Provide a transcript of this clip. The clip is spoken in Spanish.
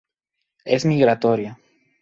Es migratoria.